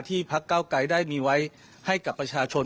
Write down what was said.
พักเก้าไกรได้มีไว้ให้กับประชาชน